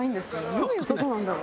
どういう事なんだろう？